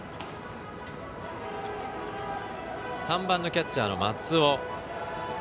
３番キャッチャーの松尾。